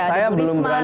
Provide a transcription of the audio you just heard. saya belum berani